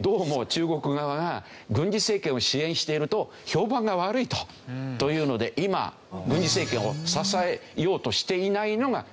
どうも中国側が軍事政権を支援していると評判が悪いというので今軍事政権を支えようとしていないのが現状なんですよ。